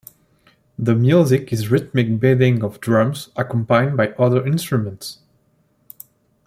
The music is rhythmic beating of drums accompanied by other instruments.